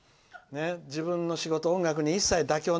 「自分の仕事音楽に一切妥協は」。